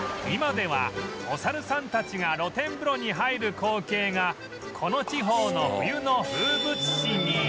今ではお猿さんたちが露天風呂に入る光景がこの地方の冬の風物詩に